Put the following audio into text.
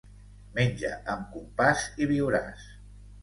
Menja amb compàs i viuràs.